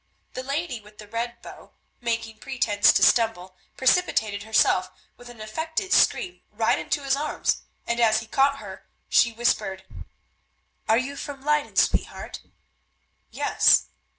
The lady with the red bow, making pretence to stumble, precipitated herself with an affected scream right into his arms, and as he caught her, whispered, "Are you from Leyden, sweetheart?" "Yes."